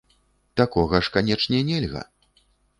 Такога ж, канечне, нельга!